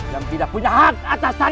yang tidak punya hak atas sana ini